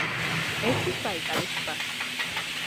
ერთვის ბაიკალის ტბას.